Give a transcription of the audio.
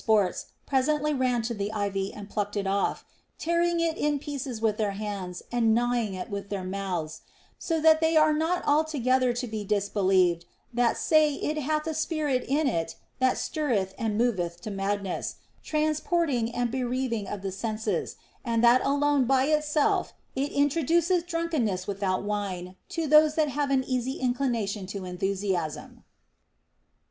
sports presently ran to the ivy and plucked" it off, tearing it in pieces with their hands and gnawing it with their mouths, so that they are not altogether to be disbelieved that say it hath a spirit in it that stirreth and moveth to madness, transporting and bereaving of the senses, and that alone by itself it introduceth drunkenness without wine to those that have an easy inclination to enthusiasm.